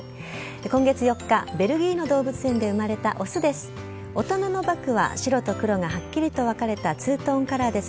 今月４日、ベルギーの動物園で産まれた雄です。